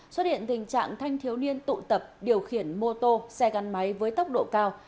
xuất hiện tình trạng thanh thiếu niên tụ tập điều khiển mô tô xe gắn máy với tốc độ cao